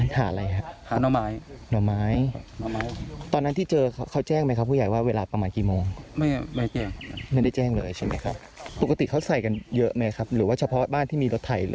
เขาอาจจะเตรียมมาจากรถไถอาจจะเตรียมมาจากโรงชำนวยอย่างนี้